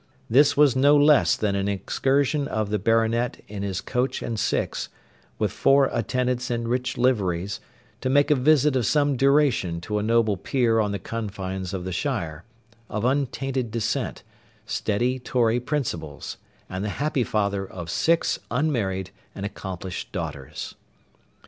This was no less than an excursion of the Baronet in his coach and six, with four attendants in rich liveries, to make a visit of some duration to a noble peer on the confines of the shire, of untainted descent, steady Tory principles, and the happy father of six unmarried and accomplished daughters.